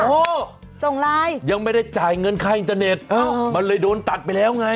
โอ้โหส่งไลน์ยังไม่ได้จ่ายเงินค่าอินเตอร์เน็ตมันเลยโดนตัดไปแล้วไง